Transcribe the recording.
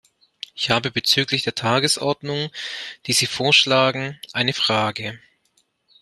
Ich habe bezüglich der Tagesordnung, die Sie vorschlagen, eine Frage.